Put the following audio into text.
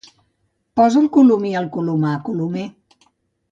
Posa el colomí al colomar, Colomer.